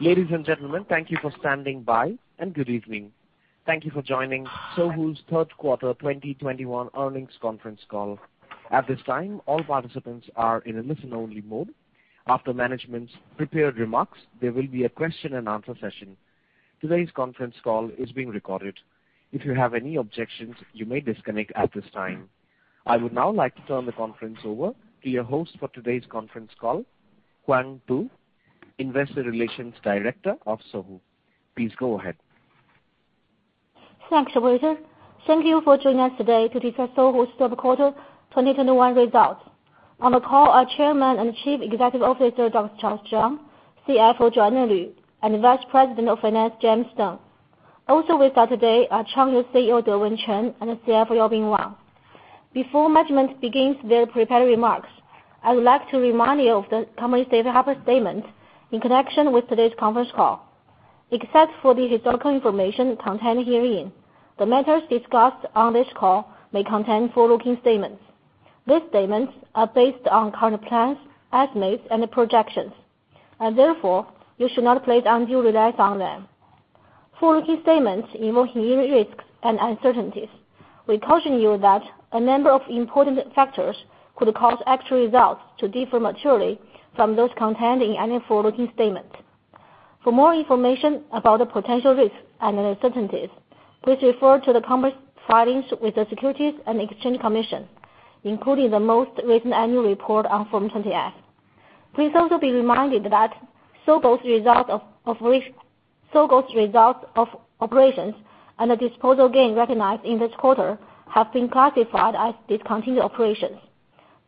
Ladies and gentlemen, thank you for standing by, and good evening. Thank you for joining Sohu's third quarter 2021 earnings conference call. At this time, all participants are in a listen-only mode. After management's prepared remarks, there will be a question and answer session. Today's conference call is being recorded. If you have any objections, you may disconnect at this time. I would now like to turn the conference over to your host for today's conference call, Pu Huang, Investor Relations Director of Sohu. Please go ahead. Thanks, operator. Thank you for joining us today to discuss Sohu's third quarter 2021 results. On the call are Chairman and Chief Executive Officer, Dr. Charles Zhang, CFO, Joanna Lv, and Vice President of Finance, James Deng. Also with us today are Changyou CEO, Dewen Chen, and CFO, Yaobin Wang. Before management begins their prepared remarks, I would like to remind you of the company's safe harbor statement in connection with today's conference call. Except for the historical information contained herein, the matters discussed on this call may contain forward-looking statements. These statements are based on current plans, estimates, and projections, and therefore, you should not place undue reliance on them. Forward-looking statements involve unique risks and uncertainties. We caution you that a number of important factors could cause actual results to differ materially from those contained in any forward-looking statement. For more information about the potential risks and uncertainties, please refer to the company's filings with the Securities and Exchange Commission, including the most recent annual report on Form 20-F. Please also be reminded that Sohu's results of operations and the disposal gain recognized in this quarter have been classified as discontinued operations.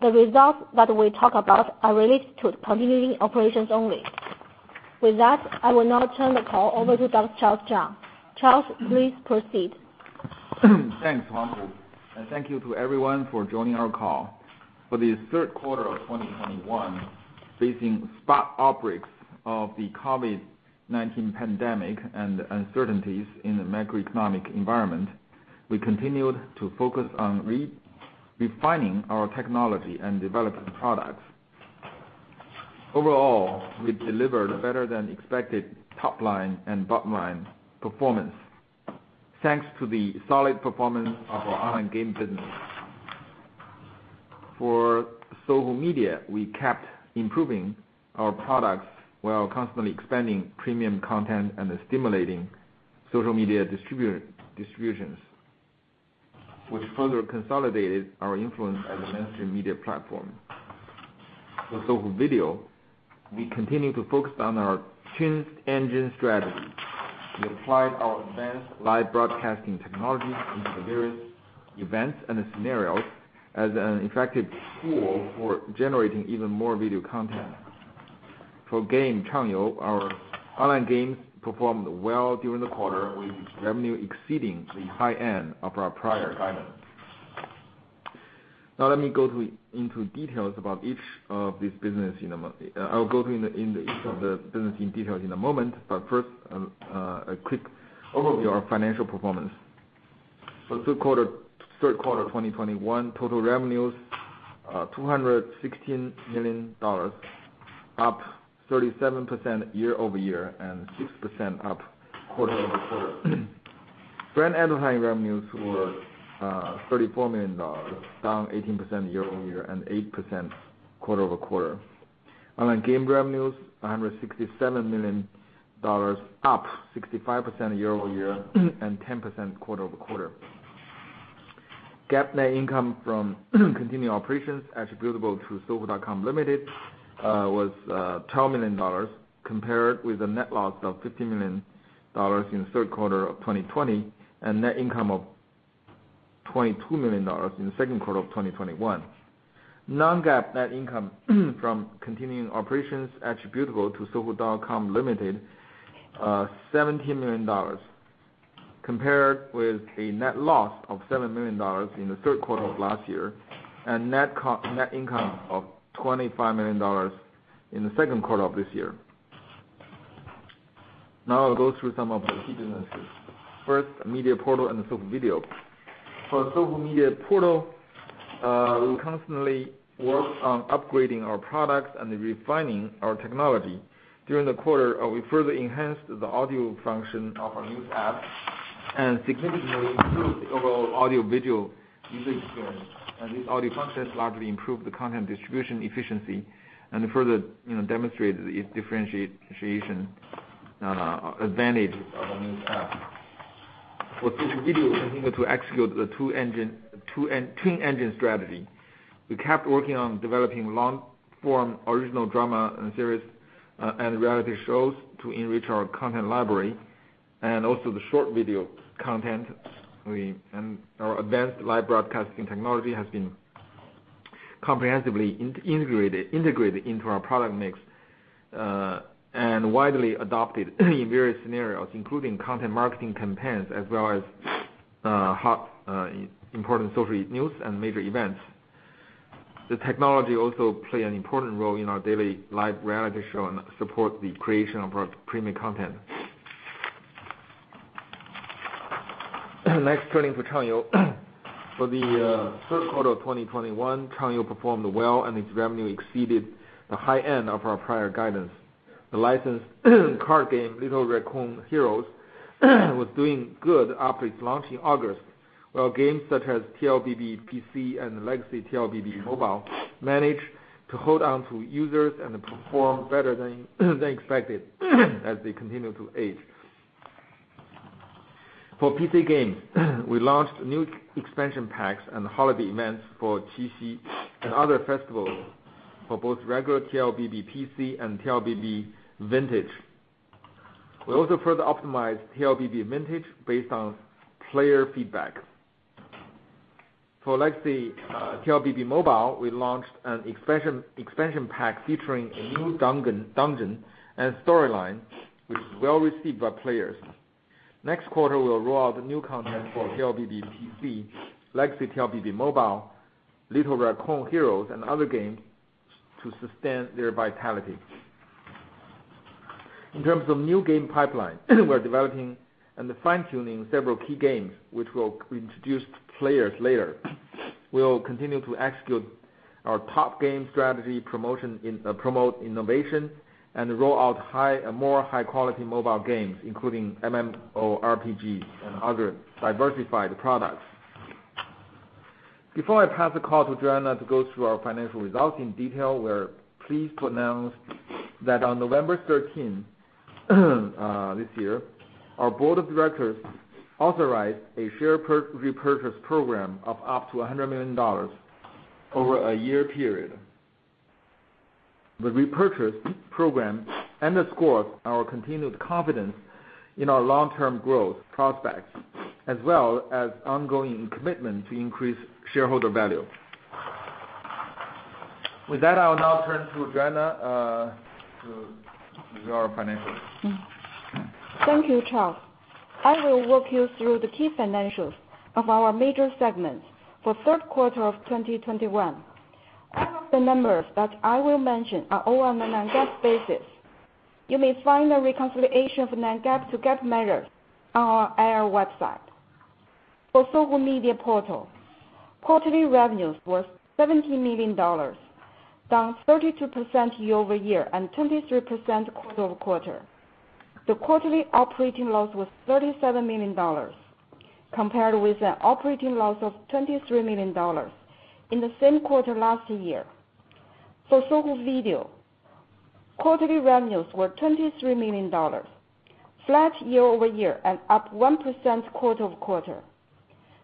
The results that we talk about are related to continuing operations only. With that, I will now turn the call over to Dr. Charles Zhang. Charles, please proceed. Thanks, Pu Huang, and thank you to everyone for joining our call. For the third quarter of 2021, facing spot outbreaks of the COVID-19 pandemic and uncertainties in the macroeconomic environment, we continued to focus on refining our technology and developing products. Overall, we've delivered better than expected top line and bottom line performance thanks to the solid performance of our online game business. For Sohu Media, we kept improving our products while constantly expanding premium content and stimulating social media distributions, which further consolidated our influence as a mainstream media platform. For Sohu Video, we continue to focus on our twin-engine strategy. We applied our advanced live broadcasting technology into various events and scenarios as an effective tool for generating even more video content. For Changyou, our online games performed well during the quarter, with revenue exceeding the high end of our prior guidance. Now let me go into details about each of these businesses in a moment, but first, a quick overview of financial performance. For the third quarter of 2021, total revenues $216 million, up 37% year-over-year and 6% quarter-over-quarter. Brand advertising revenues were $34 million, down 18% year-over-year and 8% quarter-over-quarter. Online game revenues $167 million, up 65% year-over-year and 10% quarter-over-quarter. GAAP net income from continuing operations attributable to Sohu.com Limited was $12 million compared with a net loss of $15 million in the third quarter of 2020, and net income of $22 million in the second quarter of 2021. Non-GAAP net income from continuing operations attributable to Sohu.com Limited, $17 million, compared with a net loss of $7 million in the third quarter of last year, and net income of $25 million in the second quarter of this year. Now I'll go through some of the key businesses. First, Sohu Media Portal and Sohu Video. For Sohu Media Portal, we constantly work on upgrading our products and refining our technology. During the quarter, we further enhanced the audio function of our news app and significantly improved the overall audio video user experience. These audio functions largely improved the content distribution efficiency and further, you know, demonstrated its differentiation advantage of the news app. For Sohu Video, we continue to execute the twin engine strategy. We kept working on developing long-form original drama and series, and reality shows to enrich our content library and also the short video content. Our advanced live broadcasting technology has been comprehensively integrated into our product mix, and widely adopted in various scenarios, including content marketing campaigns, as well as hot important social news and major events. The technology also play an important role in our daily live reality show and support the creation of our premium content. Next, turning to Changyou. For the third quarter of 2021, Changyou performed well and its revenue exceeded the high end of our prior guidance. The licensed card game Little Raccoon: Heroes was doing good after its launch in August, while games such as TLBB PC and Legacy TLBB Mobile managed to hold on to users and perform better than expected, as they continue to age. For PC games, we launched new expansion packs and holiday events for Qixi and other festivals for both regular TLBB PC and TLBB Vintage. We also further optimized TLBB Vintage based on player feedback. For Legacy TLBB Mobile, we launched an expansion pack featuring a new dungeon and storyline, which is well received by players. Next quarter, we'll roll out new content for TLBB PC, Legacy TLBB Mobile, Little Raccoon: Heroes, and other games to sustain their vitality. In terms of new game pipeline, we're developing and fine-tuning several key games, which we'll introduce to players later. We'll continue to execute our top game strategy, promote innovation and roll out higher-quality mobile games, including MMORPGs and other diversified products. Before I pass the call to Joanna to go through our financial results in detail, we're pleased to announce that on November 13th this year, our board of directors authorized a share repurchase program of up to $100 million over a one-year period. The repurchase program underscores our continued confidence in our long-term growth prospects, as well as ongoing commitment to increase shareholder value. With that, I'll now turn to Joanna for the financials. Thank you, Charles. I will walk you through the key financials of our major segments for third quarter of 2021. All of the numbers that I will mention are all on a non-GAAP basis. You may find a reconciliation of non-GAAP to GAAP measures on our IR website. For Sohu Media Portal, quarterly revenues were $70 million, down 32% year-over-year and 23% quarter-over-quarter. The quarterly operating loss was $37 million compared with an operating loss of $23 million in the same quarter last year. For Sohu Video, quarterly revenues were $23 million, flat year-over-year and up 1% quarter-over-over.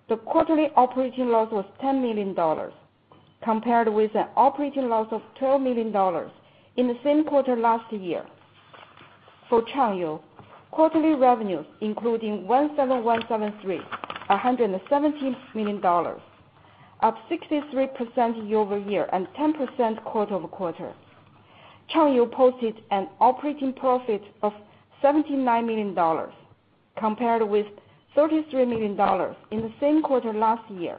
The quarterly operating loss was $10 million compared with an operating loss of $12 million in the same quarter last year. For Changyou, quarterly revenues of $117.3 million, up 63% year-over-year and 10% quarter-over-quarter. Changyou posted an operating profit of $79 million compared with $33 million in the same quarter last year.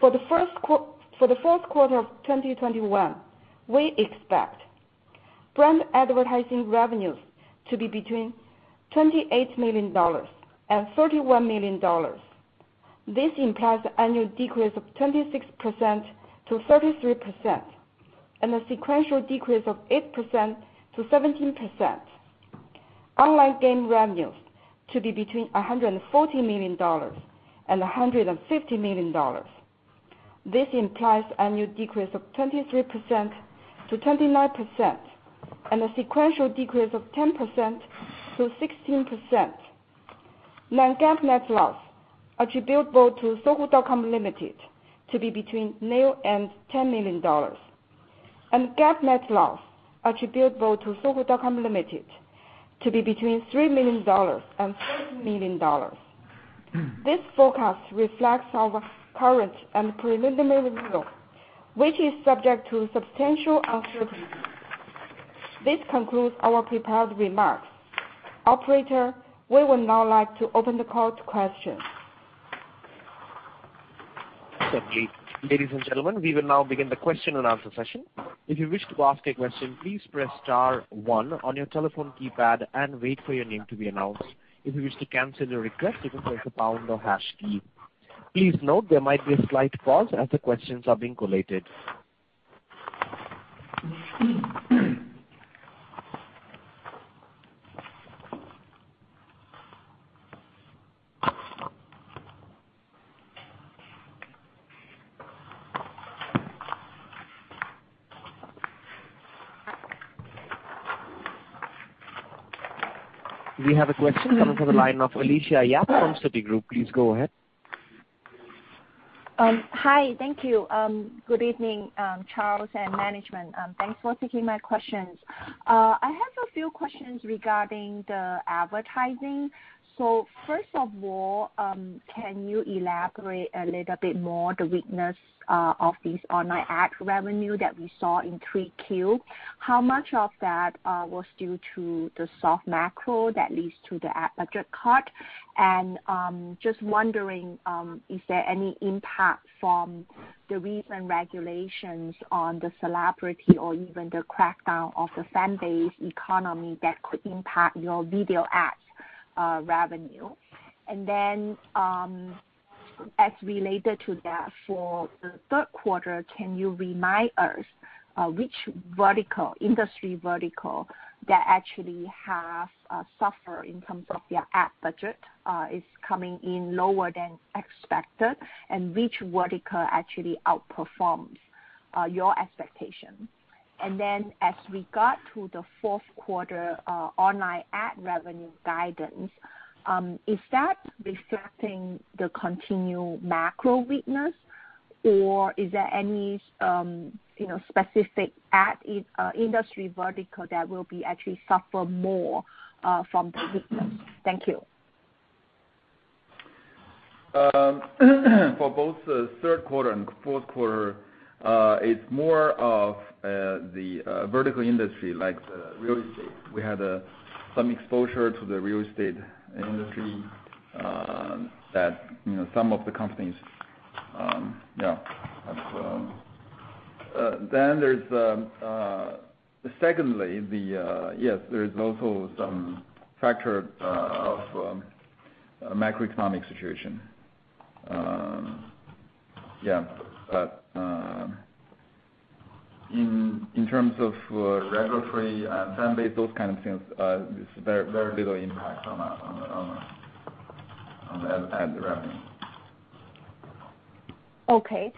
For the fourth quarter of 2021, we expect brand advertising revenues to be between $28 million and $31 million. This implies annual decrease of 26%-33% and a sequential decrease of 8%-17%. Online game revenues to be between $140 million and $150 million. This implies annual decrease of 23%-29% and a sequential decrease of 10%-16%. Non-GAAP net loss attributable to Sohu.com Limited to be between nil and $10 million. GAAP net loss attributable to Sohu.com Limited to be between $3 million and $6 million. This forecast reflects our current and preliminary review, which is subject to substantial uncertainty. This concludes our prepared remarks. Operator, we would now like to open the call to questions. Certainly. Ladies and gentlemen, we will now begin the question and answer session. If you wish to ask a question, please press star one on your telephone keypad and wait for your name to be announced. If you wish to cancel your request, you can press the pound or hash key. Please note there might be a slight pause as the questions are being collated. We have a question coming from the line of Alicia Yap from Citigroup. Please go ahead. Hi. Thank you. Good evening, Charles and management. Thanks for taking my questions. I have a few questions regarding the advertising. First of all, can you elaborate a little bit more the weakness of these online ad revenue that we saw in Q3? How much of that was due to the soft macro that leads to the ad budget cut? Just wondering, is there any impact from the recent regulations on the celebrity or even the crackdown of the fan base economy that could impact your video ads revenue? Related to that, for the third quarter, can you remind us which vertical, industry vertical that actually have suffer in terms of their ad budget is coming in lower than expected? Which vertical actually outperforms your expectation? As we got to the fourth quarter, online ad revenue guidance, is that reflecting the continued macro weakness or is there any, you know, specific ad industry vertical that will be actually suffer more from the weakness? Thank you. For both the third quarter and fourth quarter, it's more of the vertical industry like the real estate. We had some exposure to the real estate industry, that, you know, some of the companies, yeah, have. Then there's, secondly, yes, there is also some factor of a macroeconomic situation. Yeah. In terms of regulatory and time-based, those kind of things, this is very, very little impact on the ad revenue. Okay.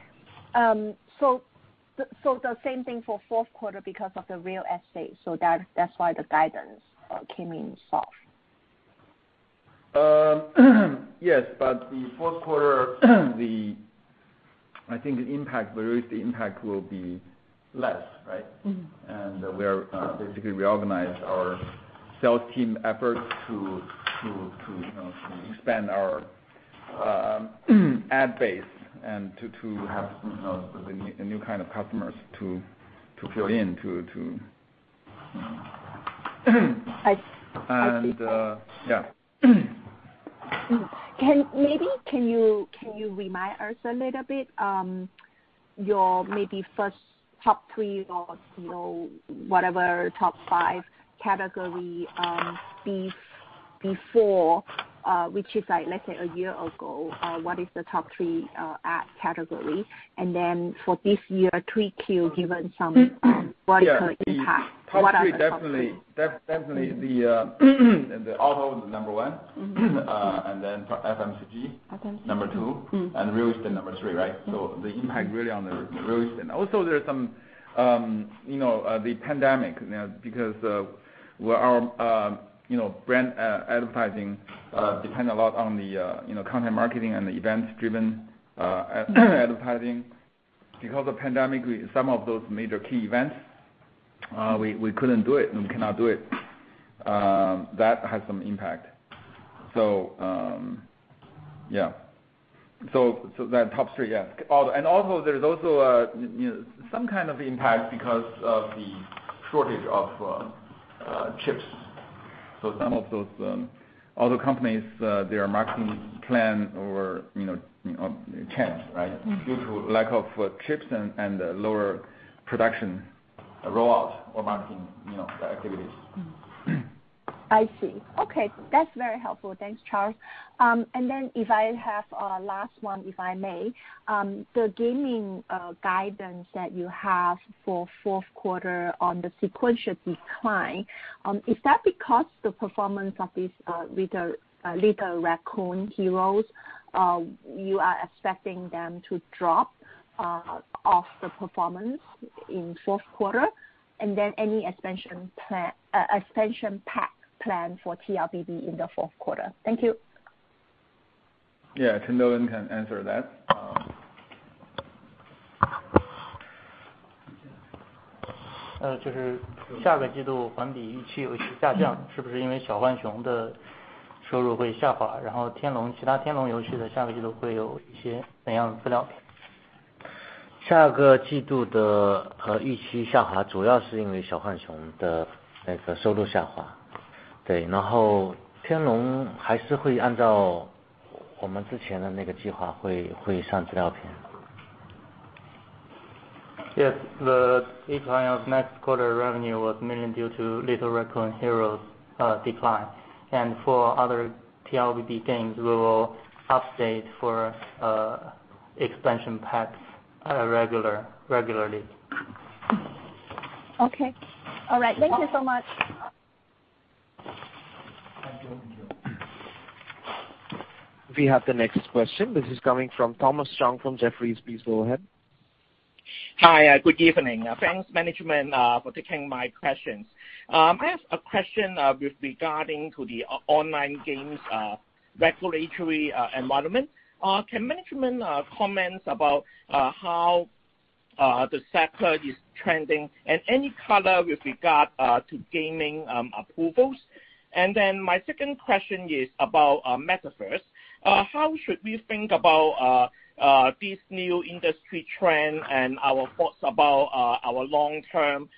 The same thing for fourth quarter because of the real estate, so that's why the guidance came in soft. Yes, the fourth quarter, I think the impact, the real estate impact will be less, right? Mm-hmm. We are basically reorganizing our sales team efforts to, you know, expand our ad base and to have some a new kind of customers to fill in to. I see. Yeah. Maybe can you remind us a little bit your maybe first top three or, you know, whatever, top five category before, which is like, let's say, a year ago, what is the top three ad category? Then for this year, Q3, given some vertical impact. Yeah. What are the top three? top three definitely, the auto is number one. Mm-hmm. FMCG FMCG. Number 2. Mm-hmm. Real estate number three, right? Mm-hmm. The impact really on the real estate. Also there are some you know the pandemic you know because where our you know brand advertising depend a lot on the you know content marketing and the event-driven advertising. Because of the pandemic, some of those major key events we couldn't do it and we cannot do it. That has some impact. Yeah. That top three, yeah. Also there's also you know some kind of impact because of the shortage of chips. Some of those auto companies their marketing plan or you know changed, right? Mm-hmm. Due to lack of chips and lower production rollout or marketing, you know, the activities. Mm-hmm. I see. Okay. That's very helpful. Thanks, Charles. If I have a last one, if I may, the gaming guidance that you have for fourth quarter on the sequential decline, is that because the performance of this Little Raccoon: Heroes you are expecting them to drop off the performance in fourth quarter? Any expansion pack plan for TLBB in the fourth quarter? Thank you. Yeah. Dewen Chen can answer that. Uh, Yes. The decline of next quarter revenue was mainly due to Little Raccoon: Heroes decline. For other TLBB games, we will update for expansion packs regularly. Okay. All right. Thank you so much. Thank you. We have the next question. This is coming from Thomas Chong from Jefferies. Please go ahead. Hi. Good evening. Thanks, management, for taking my questions. I have a question with regard to the online games regulatory environment. Can management comment about how the sector is trending and any color with regard to gaming approvals? Then my second question is about Metaverse. How should we think about this new industry trend and our thoughts about our long-term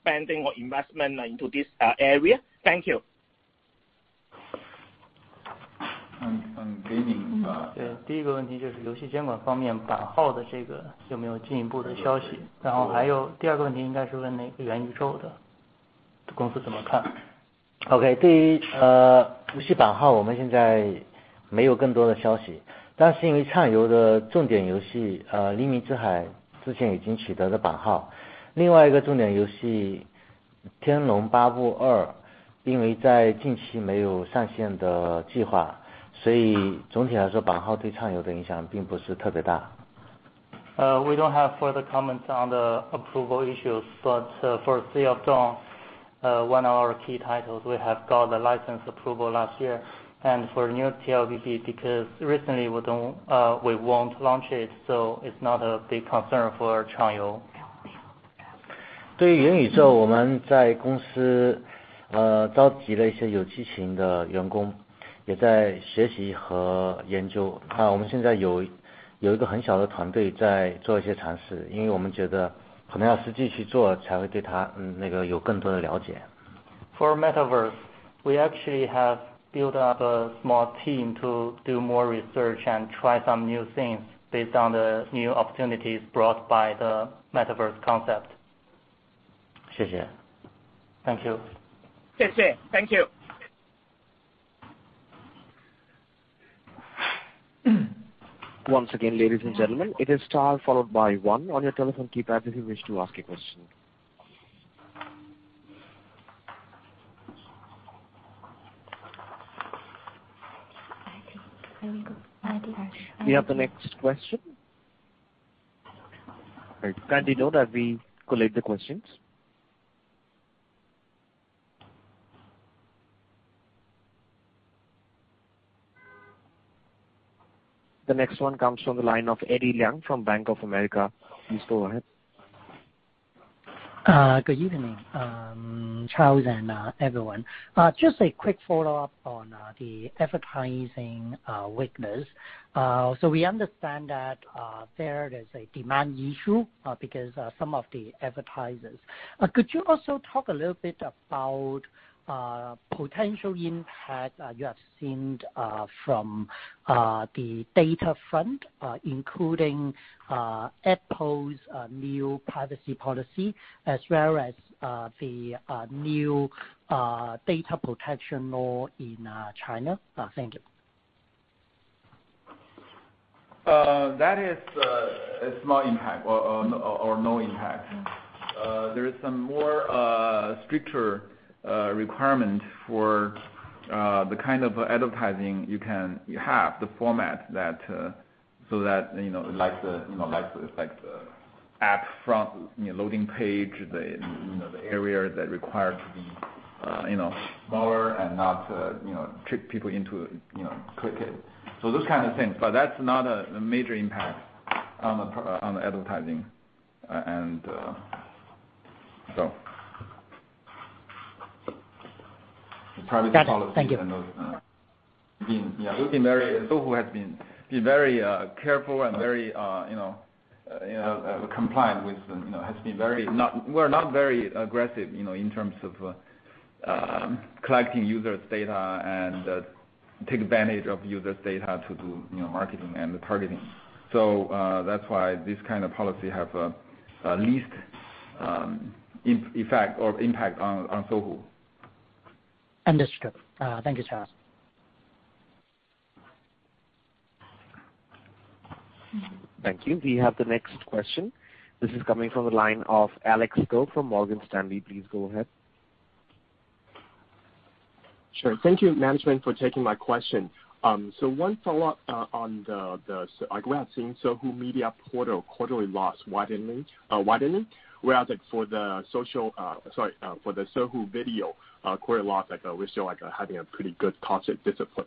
spending or investment into this area? Thank you. Gaming. Okay. For the game version, we currently do not have any further news. Because Changyou's key game, Sea of Dawn, has already obtained the version number earlier. Another key game, TLBB PC, does not have any plans to go online in the near future. Overall, the version number has not had a particularly large impact on Changyou. We don't have further comments on the approval issues, but for Sea of Dawn, one of our key titles, we have got the license approval last year. For New TLBB, because recently we won't launch it, so it's not a big concern for Changyou. For Metaverse, we have recruited some enthusiastic employees in the company, and we are also studying and researching. We now have a very small team doing some experiments, because we feel that we may have to do it ourselves to, you know, understand it better. For Metaverse, we actually have built up a small team to do more research and try some new things based on the new opportunities brought by the Metaverse concept. Thank you. Thank you. Thank you. Thank you. Once again, ladies and gentlemen, it is star followed by one on your telephone keypad if you wish to ask a question. We have the next question. Right. Kindly note that we collect the questions. The next one comes from the line of Eddie Leung from Bank of America. Please go ahead. Good evening, Charles and everyone. Just a quick follow-up on the advertising weakness. We understand that there is a demand issue because some of the advertisers. Could you also talk a little bit about potential impact you have seen from the data front, including Apple's new privacy policy as well as the new data protection law in China? Thank you. That is a small impact or no impact. There is some more stricter requirement for the kind of advertising you have, the format that so that you know like the you know like the app front you know loading page the you know the area that require to be you know smaller and not you know trick people into you know click it. Those kind of things. That's not a major impact on the advertising and so. Got it. Thank you. The privacy policy and those. Sohu has been very careful and very compliant with, you know. We're not very aggressive, you know, in terms of collecting users' data and taking advantage of users' data to do, you know, marketing and targeting. That's why this kind of policy has least impact on Sohu. Understood. Thank you, Charles. Thank you. We have the next question. This is coming from the line of Alex Guo from Morgan Stanley. Please go ahead. Sure. Thank you, management, for taking my question. One follow-up on—like we have seen Sohu Media Portal quarterly loss widening, whereas like for the Sohu Video quarterly loss, like, we're still like having a pretty good cost discipline.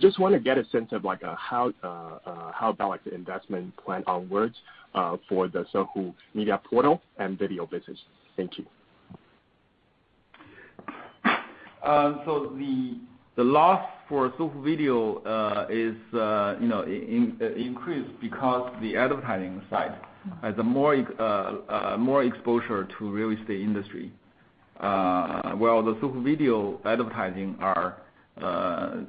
Just wanna get a sense of like how about like the investment plan onwards for the Sohu Media Portal and video business. Thank you. The loss for Sohu Video is, you know, increased because the advertising side has more exposure to real estate industry, while the Sohu Video advertising are,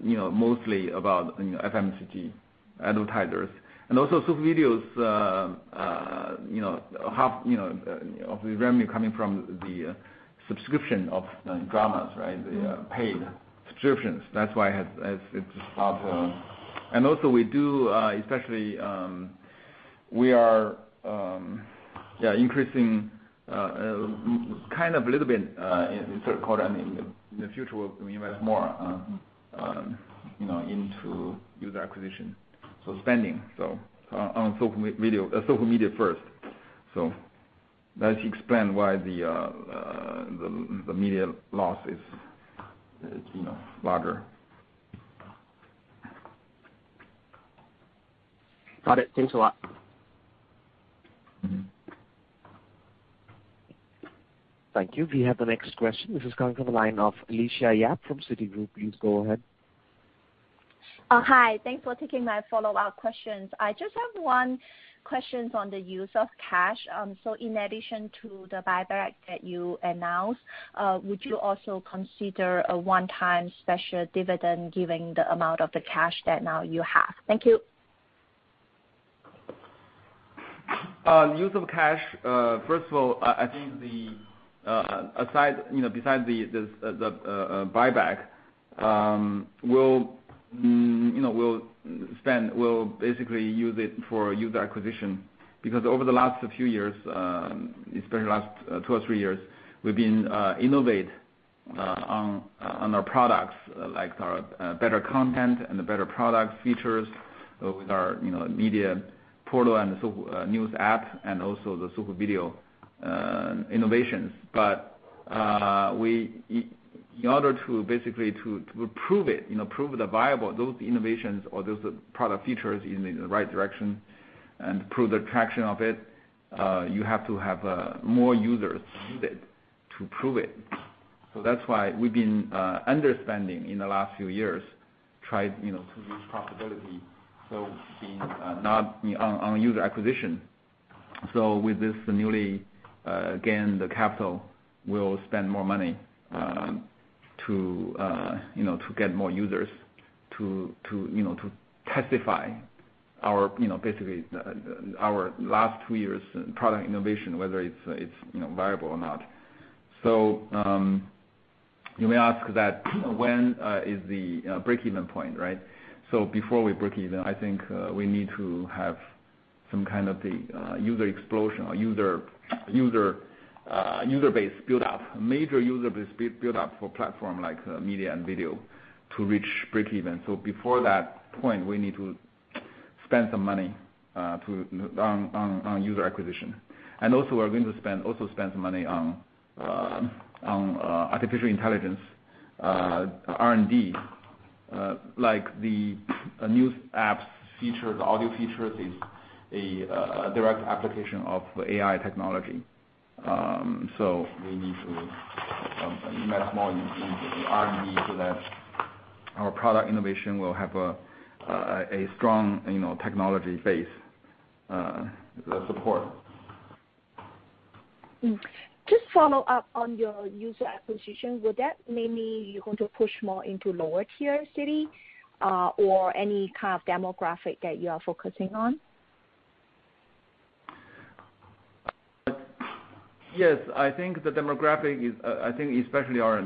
you know, mostly about, you know, FMCG advertisers. Also Sohu Video's, you know, half, you know, of the revenue coming from the subscription of, you know, dramas, right? The paid subscriptions. That's why it has. Also we do especially, we are, yeah, increasing marketing kind of a little bit in third quarter and in the future, we'll invest more, you know, into user acquisition. Spending on Sohu Video, Sohu Media first. That should explain why the media loss is, you know, larger. Got it. Thanks a lot. Thank you. We have the next question. This is coming from the line of Alicia Yap from Citigroup. Please go ahead. Hi. Thanks for taking my follow-up questions. I just have one question on the use of cash. In addition to the buyback that you announced, would you also consider a one-time special dividend given the amount of the cash that now you have? Thank you. Use of cash, first of all, I think that aside, you know, besides the buyback, we'll basically use it for user acquisition. Because over the last few years, especially last two or three years, we've been innovate on our products, like our better content and the better product features with our, you know, media portal and Sohu news app and also the Sohu Video innovations. In order to basically to prove it, you know, prove the viability, those innovations or those product features in the right direction and prove the traction of it, you have to have more users needed to prove it. That's why we've been underspending in the last few years, tried you know to reach profitability. Spending not on user acquisition. With this new capital, we'll spend more money you know to get more users to you know to test if our you know basically our last two years' product innovation whether it's you know viable or not. You may ask that when is the breakeven point, right? Before we breakeven, I think we need to have some kind of user explosion or user base build up. Major user base build up for platforms like media and video to reach breakeven. Before that point, we need to spend some money on user acquisition. We're going to spend some money on artificial intelligence R&D. Like the news apps feature, the audio feature is a direct application of AI technology. We need to invest more in R&D so that our product innovation will have a strong, you know, technology base support. Just follow up on your user acquisition. Would that mainly be you're going to push more into lower-tier cities, or any kind of demographic that you are focusing on? Yes. I think especially our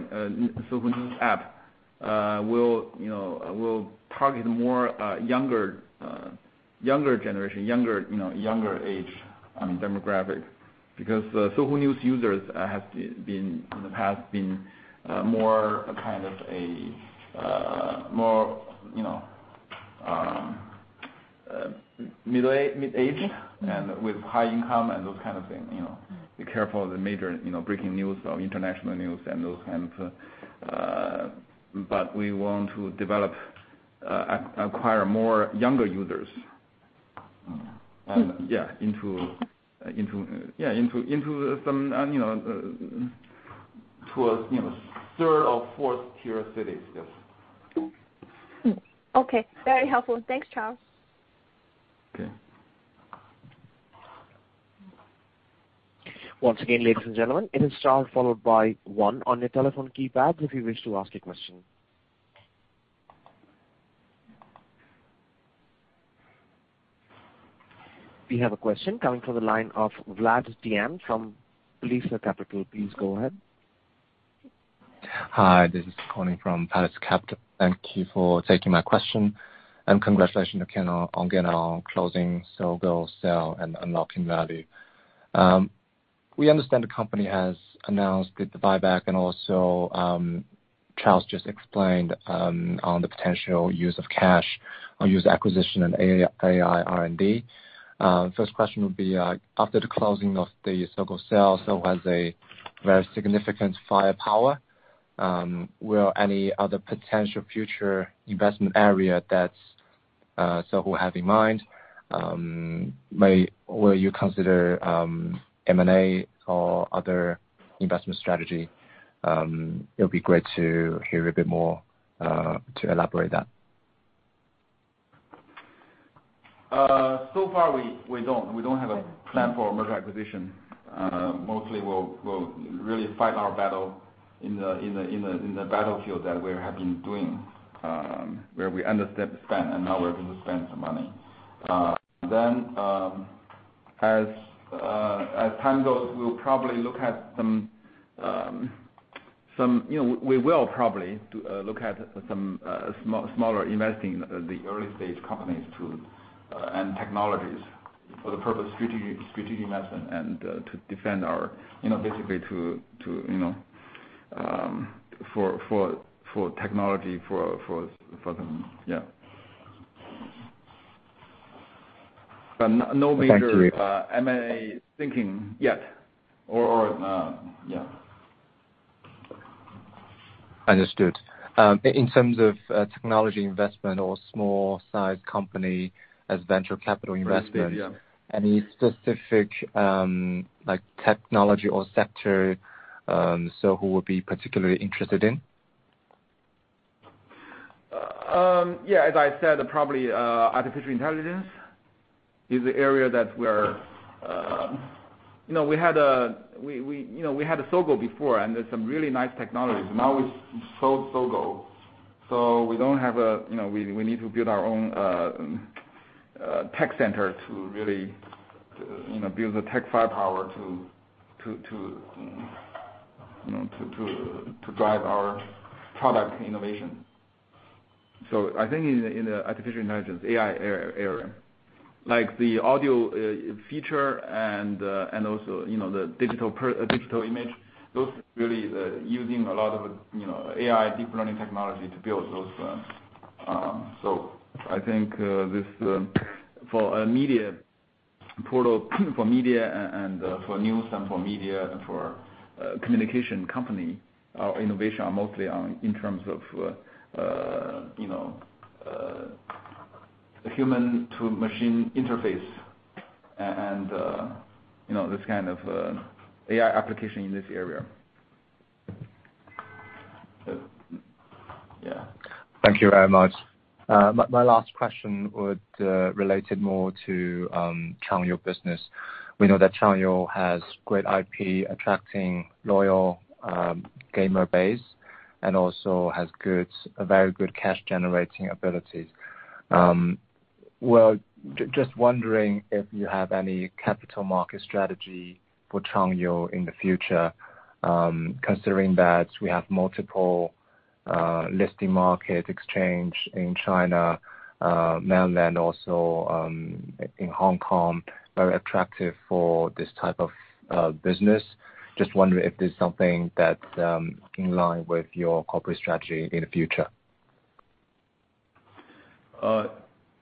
Sohu News app will, you know, target more younger generation, younger age demographic. Because Sohu News users have been in the past more a kind of a more middle-aged and with high income and those kind of thing, you know. They care about the major, you know, breaking news or international news and those kinds. We want to acquire more younger users into some towards third or fourth tier cities. Yes. Okay. Very helpful. Thanks, Charles. Okay. Once again, ladies and gentlemen, it is Charles followed by one on your telephone keypad if you wish to ask a question. We have a question coming from the line of Vlad Dian from Palisades Capital. Please go ahead. Hi, this is Connie from Palisades Capital. Thank you for taking my question. Congratulations again on getting our closing Sohu sale and unlocking value. We understand the company has announced with the buyback and also Charles just explained on the potential use of cash for user acquisition and AI R&D. First question would be, after the closing of the Sohu sale, Sohu has a very significant firepower. Are there any other potential future investment area that Sohu have in mind? Will you consider M&A or other investment strategy? It'll be great to hear a bit more to elaborate that. So far we don't have a plan for mergers and acquisitions. Mostly we'll really fight our battle in the battlefield that we have been doing, where we underspent, and now we're going to spend some money. As time goes, we'll probably look at some. You know, we will probably look at some smaller investments in early-stage companies and technologies for the purpose of strategic investment and to defend our. You know, basically to, you know, for technology for them. Yeah. But no major Thank you. M&A thinking yet or yeah. Understood. In terms of, technology investment or small size company as venture capital investment. Yeah. Any specific, like technology or sector, Sohu would be particularly interested in? Yeah, as I said, probably artificial intelligence is the area that we're, you know, we had a Sogou before, and there's some really nice technologies. Now we sold Sogou, so we don't have a, you know, we need to build our own tech center to really, you know, build the tech firepower to drive our product innovation. I think in the artificial intelligence, AI area, like the audio feature and also, you know, the digital image, those really are using a lot of, you know, AI deep learning technology to build those. I think this for a Media Portal for media and for news and for media and for communication company. Our innovation are mostly on in terms of you know human to machine interface and you know this kind of AI application in this area. Yeah. Thank you very much. My last question would relate it more to Changyou business. We know that Changyou has great IP attracting loyal gamer base and also has a very good cash generating abilities. We're just wondering if you have any capital market strategy for Changyou in the future, considering that we have multiple listing market exchange in China mainland, also in Hong Kong, very attractive for this type of business. Just wondering if there's something that in line with your corporate strategy in the future.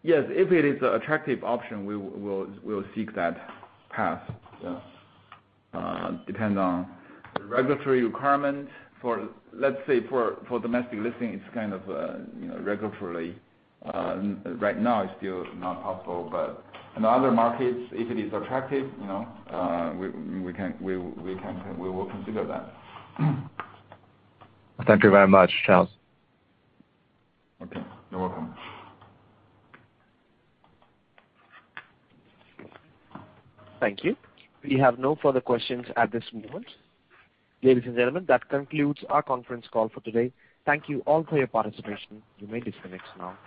Yes, if it is an attractive option, we will, we'll seek that path. It depends on regulatory requirements for, let's say, for domestic listing. It's kind of, you know, regulatory. Right now it's still not possible. In other markets, if it is attractive, you know, we can, we will consider that. Thank you very much, Charles. Okay. You're welcome. Thank you. We have no further questions at this moment. Ladies and gentlemen, that concludes our conference call for today. Thank you all for your participation. You may disconnect now.